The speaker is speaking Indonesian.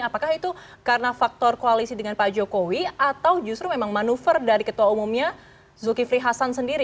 apakah itu karena faktor koalisi dengan pak jokowi atau justru memang manuver dari ketua umumnya zulkifli hasan sendiri